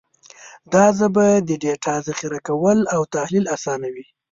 دا ژبه د ډیټا ذخیره کول او تحلیل اسانوي.